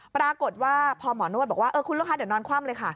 ปรากฏว่าพอหมอนวดบอกว่าคุณลูกค้าเดี๋ยวนอนคว่ำเลยค่ะ